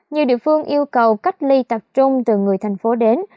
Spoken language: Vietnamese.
nhiều địa phương yêu cầu cách ly tập trung từ người thành phố đến